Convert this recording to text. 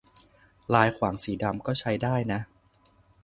ลายขวางสีดำ ก็ใช้ได้นะ